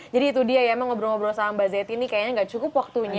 jadi itu dia ya emang ngobrol ngobrol sama mbak zeti ini kayaknya gak cukup waktunya ya